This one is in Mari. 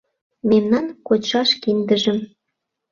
Мемнан кочшаш киндыжым